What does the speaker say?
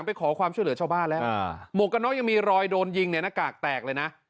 ไปขอความช่วยเหลือชาวบ้านแล้วหมวกกันน็อกยังมีรอยโดนยิงเนี่ยหน้ากากแตกเลยนะ